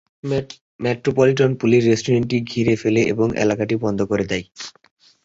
Metropolitan police রেস্টুরেন্টটি ঘিরে ফেলে এবং এলাকাটি বন্ধ করে দেয়।